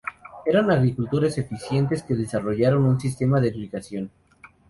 Eran agricultores eficientes, que desarrollaron un sistema de irrigación.